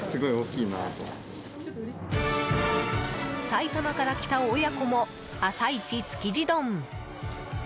埼玉から来た親子も朝一築地丼。